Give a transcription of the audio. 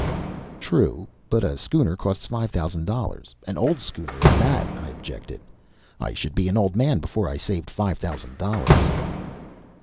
"True, but a schooner costs five thousand dollars an old schooner at that," I objected. "I should be an old man before I saved five thousand dollars."